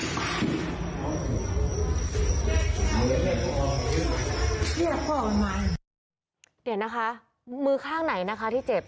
เกลียดพอพอไหมนี่นะคะมือข้างไหนนะคะที่เจ็บ